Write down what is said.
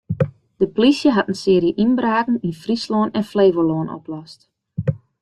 De plysje hat in searje ynbraken yn Fryslân en Flevolân oplost.